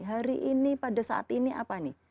hari ini pada saat ini apa nih